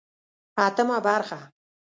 اتمه برخه